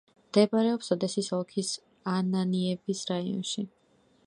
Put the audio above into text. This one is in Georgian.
მდებარეობს ოდესის ოლქის ანანიევის რაიონში.